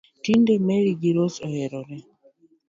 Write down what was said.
Tinde Mary gi Rose oherore